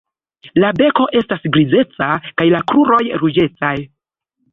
La beko estas grizeca kaj la kruroj ruĝecaj.